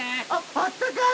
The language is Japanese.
あったかい